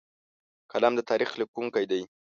قلم د تاریخ لیکونکی دی